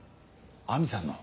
亜美さんの？